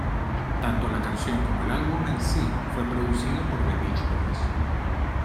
Tanto la canción como el álbum en sí fue producido por The Beach Boys.